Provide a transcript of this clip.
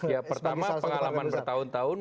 ya pertama pengalaman bertahun tahun